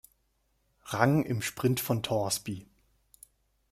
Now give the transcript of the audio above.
Rang im Sprint von Torsby.